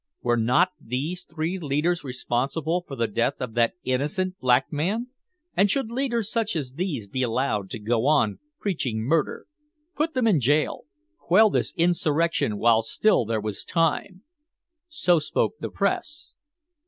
Were not these three leaders responsible for the death of that innocent black man? And should leaders such as these be allowed to go on preaching murder? Put them in jail! Quell this insurrection while still there was time! So spoke the press.